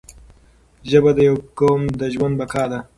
ژبه د یو قوم د ژوند بقا ده